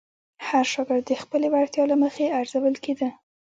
هر شاګرد د خپلې وړتیا له مخې ارزول کېده.